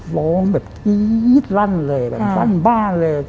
ร้องแบบกรี๊ดลั่นเลยแบบลั่นบ้านเลย